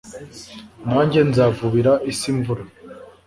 nanjye nzavubira isi imvura